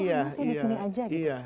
masuk disini aja